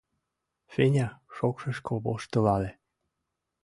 Феня шокшышко воштылале.